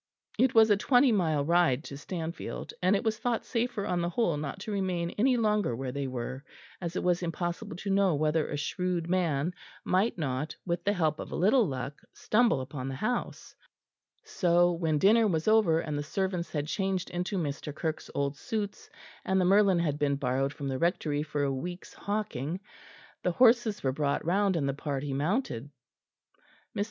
It was a twenty mile ride to Stanfield; and it was thought safer on the whole not to remain any longer where they were, as it was impossible to know whether a shrewd man might not, with the help of a little luck, stumble upon the house; so, when dinner was over, and the servants had changed into Mr. Kirke's old suits, and the merlin had been borrowed from the Rectory for a week's hawking, the horses were brought round and the party mounted. Mr.